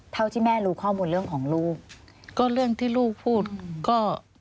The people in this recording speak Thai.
เท่าที่แม่รู้ข้อมูลเรื่องของลูกก็เรื่องที่ลูกพูดก็